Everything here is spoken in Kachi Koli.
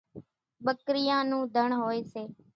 ٻڪريان نون ڌڻ هوئيَ سي۔